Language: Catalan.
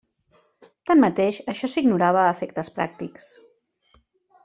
Tanmateix, això s'ignorava a efectes pràctics.